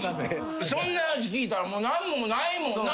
そんな話聞いたら何もないもんな。